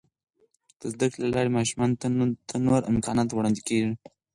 د زده کړې له لارې، ماشومانو ته نور امکانات وړاندې کیږي.